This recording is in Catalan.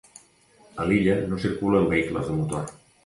A l'illa no circulen vehicles de motor.